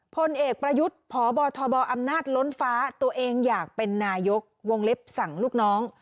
พลเอกประยุทธ์พบทบอำนาจล้นฟ้าตัวเองอยากเป็นนายกวงเล็บสั่งลูกน้อง